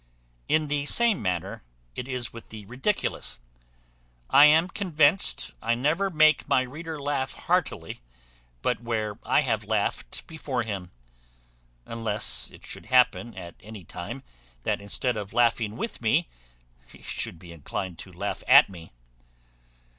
In the same manner it is with the ridiculous. I am convinced I never make my reader laugh heartily but where I have laughed before him; unless it should happen at any time, that instead of laughing with me he should be inclined to laugh at me.